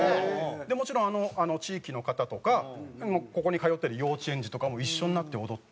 でもちろん地域の方とかここに通ってる幼稚園児とかも一緒になって踊って。